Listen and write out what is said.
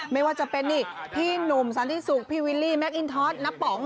ไม่ว่าจะเป็นนี่พี่หนุ่มสันติสุขพี่วิลลี่แมคอินทอสน้าป๋อง